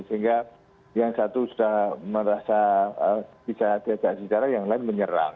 sehingga yang satu sudah merasa bisa diajak sejarah yang lain menyerang